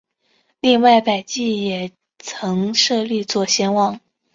另外百济也曾设立左贤王。